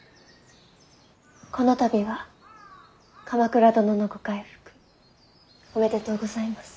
この度は鎌倉殿のご回復おめでとうございます。